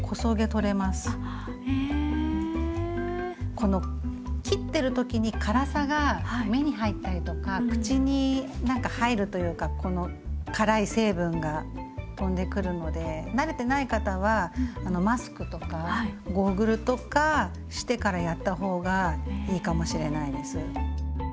この切ってる時に辛さが目に入ったりとか口に何か入るというかこの辛い成分が飛んでくるので慣れてない方はマスクとかゴーグルとかしてからやった方がいいかもしれないです。